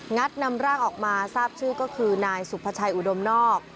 นำร่างออกมาทราบชื่อก็คือนายสุภาชัยอุดมนอก